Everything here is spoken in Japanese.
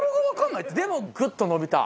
でもグッと伸びた。